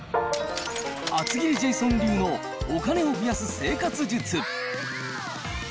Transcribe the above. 厚切りジェイソン流のお金を増やす生活術。